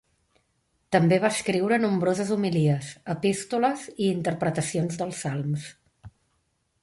També va escriure nombroses homilies, epístoles i interpretacions dels salms.